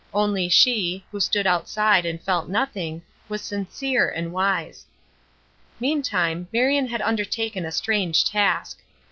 Only she, who stood outside and felt nothing, was sincere and wise. Meantime Marion had undertaken a strange task.